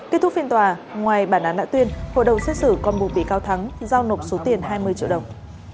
kết thúc phiên tòa ngoài bản án đã tuyên hội đồng xét xử còn buộc bị cáo thắng giao nộp số tiền hai mươi triệu đồng